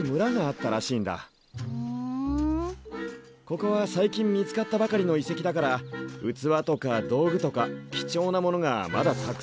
ここは最近見つかったばかりの遺跡だから器とか道具とか貴重なものがまだたくさんうまっているはずなんだ。